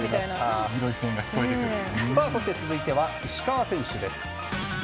そして続いては石川選手です。